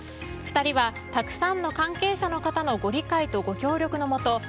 ２人はたくさんの関係者の方のご理解とご協力のもと